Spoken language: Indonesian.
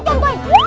udah pergi dulu